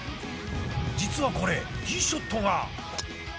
実はこれティショットが。